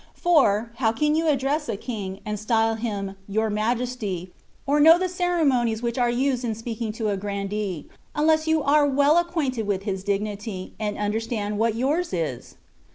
For, how can you a<ldress a king, and style him " your Majesty,'' or know the ceremonies which are used in speak ing to a grandee, unless you are well acquainted with his dignity, and understand what yours is